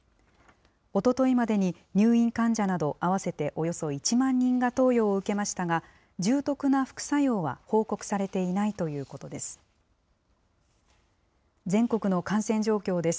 おとといまでに入院患者など合わせておよそ１万人が投与を受けましたが、重篤な副作用は報告されていないということです。